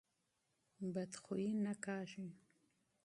بد خویه نه کېږي.